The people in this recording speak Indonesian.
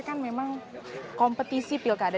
kan memang kompetisi pilkada